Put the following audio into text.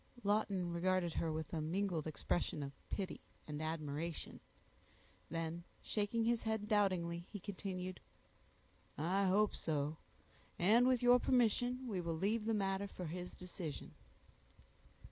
Lawton regarded her with a mingled expression of pity and admiration; then shaking his head doubtingly, he continued,— "I hope so; and with your permission, we will leave the matter for his decision."